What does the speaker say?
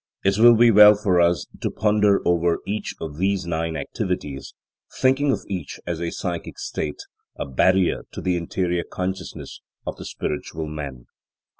It will be well for us to ponder over each of these nine activities, thinking of each as a psychic state, a barrier to the interior consciousness of the spiritual man.